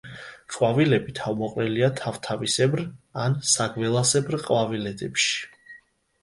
ყვავილები თავმოყრილია თავთავისებრ ან საგველასებრ ყვავილედებში.